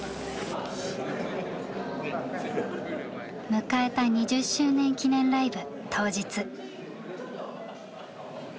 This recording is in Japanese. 迎えた２０周年記念ライブ当日。